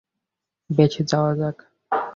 বেশ, যাওয়া যাক।